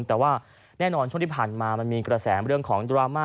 แต่ว่าแน่นอนช่วงที่ผ่านมามันมีกระแสเรื่องของดราม่า